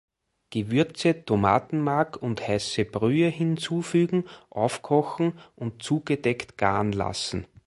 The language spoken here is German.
Gewürze, Tomatenmark und heiße Brühe hinzufügen, aufkochen und zugedeckt garen lassen.